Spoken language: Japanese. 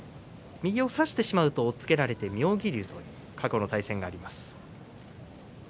右を差してしまうと押っつけられて妙義龍という過去の対戦があります。